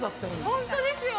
本当ですよ！